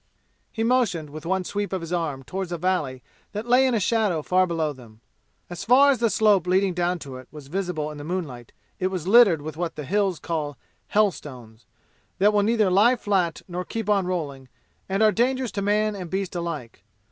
He motioned with one sweep of his arm toward a valley that lay in shadow far below them. As far as the slope leading down to it was visible in the moonlight it was littered with what the "Hills" call "hell stones," that will neither lie flat nor keep on rolling, and are dangerous to man and beast alike.